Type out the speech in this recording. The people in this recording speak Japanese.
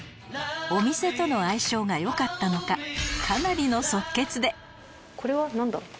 お店との相性が良かったのかかなりのこれは何だ？